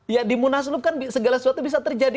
ya dimunaslub kan segala sesuatu bisa terjadi